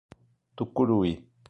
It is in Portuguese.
Tucuruí